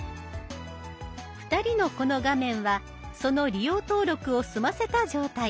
２人のこの画面はその利用登録を済ませた状態。